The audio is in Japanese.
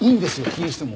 気にしても。